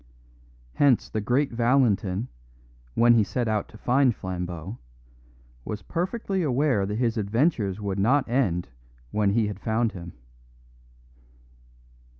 Hence the great Valentin, when he set out to find Flambeau, was perfectly aware that his adventures would not end when he had found him.